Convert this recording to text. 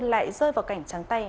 lại rơi vào cảnh trắng tay